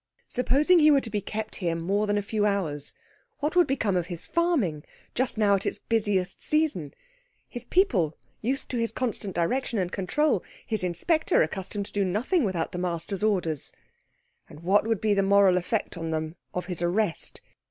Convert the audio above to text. Supposing he were to be kept here more than a few hours, what would become of his farming, just now at its busiest season, his people used to his constant direction and control, his inspector accustomed to do nothing without the master's orders? And what would be the moral effect on them of his arrest?